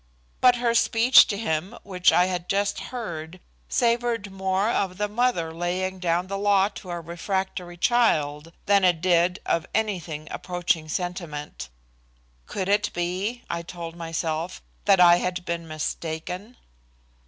But her speech to him which I had just heard savored more of the mother laying down the law to a refractory child than it did of anything approaching sentiment. Could it be, I told myself, that I had been mistaken?